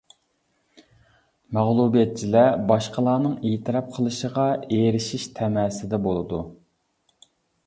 مەغلۇبىيەتچىلەر باشقىلارنىڭ ئېتىراپ قىلىشىغا ئېرىشىش تەمەسىدە بولىدۇ.